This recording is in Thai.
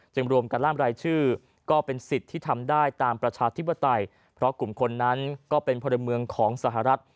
รวมกันล่ามรายชื่อก็เป็นสิทธิ์ที่ทำได้ตามประชาธิปไตยเพราะกลุ่มคนนั้นก็เป็นพลเมืองของสหรัฐ